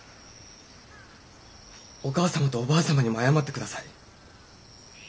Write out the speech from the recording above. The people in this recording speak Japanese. お母様とおばあ様にも謝って下さい。